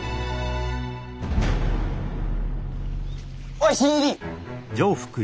おい新入り！